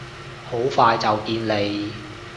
好快就見你！